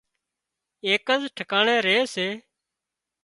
ايڪز ٺڪاڻي ري سي